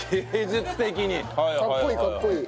かっこいいかっこいい。